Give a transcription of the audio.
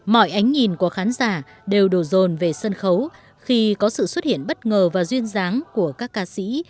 mọi ánh nhìn của khán giả đều đổ rồn về sân khấu khi có sự xuất hiện bất ngờ và duyên dáng của các ca sĩ